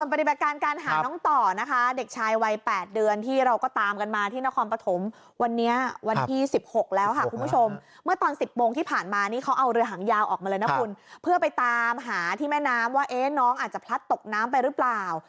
ปฏิบัติการการหาน้องต่อนะคะเด็กชายวัย๘เดือนที่เราก็ตามกันมาที่นครปฐมวันนี้วันที่๑๖แล้วค่ะคุณผู้ชมเมื่อตอน๑๐โมงที่ผ่านมานี่เขาเอาเรือหางยาวออกมาเลยนะคุณเพื่อไปตามหาที่แม่น้ำว่าน้องอาจจะพลัดตกน้ำไปหรือเปล่า